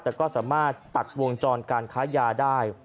แต่ก็สามารถตัดวงจรการค้ายาได้